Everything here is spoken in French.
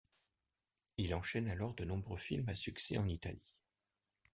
Il enchaîne alors de nombreux films à succès en Italie.